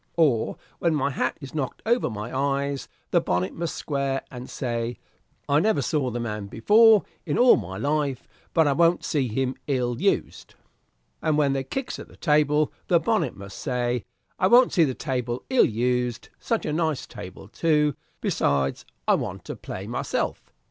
Or when my hat is knocked over my eyes, the bonnet must square, and say, 'I never saw the man before in all my life, but I won't see him ill used.' And when they kicks at the table, the bonnet must say, 'I won't see the table ill used, such a nice table, too; besides, I want to play myself.'